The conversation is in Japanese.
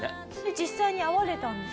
実際に会われたんですよね？